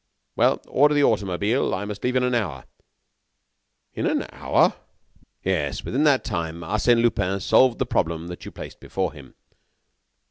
"Well, order the automobile. I must leave in an hour." "In an hour?" "Yes; within that time, Arsène Lupin solved the problem that you placed before him."